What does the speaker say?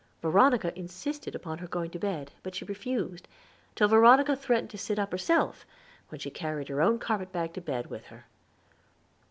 Veronica insisted upon her going to bed, but she refused, till Veronica threatened to sit up herself, when she carried her own carpet bag to bed with her.